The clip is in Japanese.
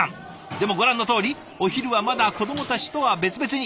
でもご覧のとおりお昼はまだ子どもたちとは別々に。